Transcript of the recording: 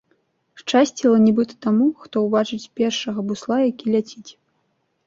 Шчасціла нібыта таму, хто ўбачыць першага бусла, які ляціць.